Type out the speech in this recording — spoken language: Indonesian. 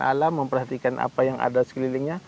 memperhatikan alam memperhatikan apa yang ada di sekelilingnya